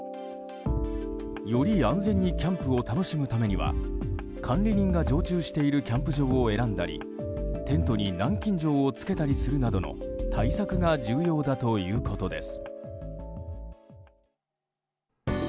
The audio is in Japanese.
より安全にキャンプを楽しむためには管理人が常駐しているキャンプ場を選んだりテントに南京錠をつけたりするなどの対策が重要だということです。